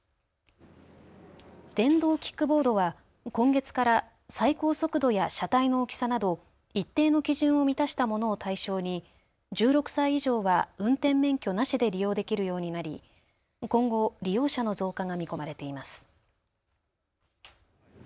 電動キックボードは今月から最高速度や車体の大きさなど一定の基準を満たしたものを対象に１６歳以上は運転免許なしで利用できるようになり今後、利用者の増加が見込まれています。